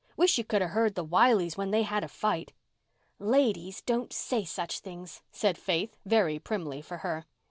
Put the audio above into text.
Wish you could have heard the Wileys when they had a fight." "Ladies don't say such things," said Faith, very primly for her.